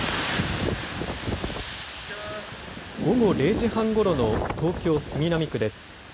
午後０時半ごろの東京杉並区です。